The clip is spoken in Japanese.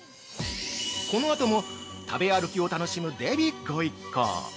このあとも食べ歩きを楽しむデヴィ御一行。